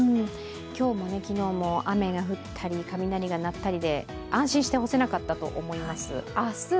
今日も昨日も雨が降ったり雷が鳴ったりで、安心して干せなかったと思います。